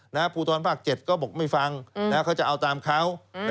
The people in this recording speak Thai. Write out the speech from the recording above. ภูทรภาค๗ก็บอกไม่ฟังเขาจะเอาตามเขา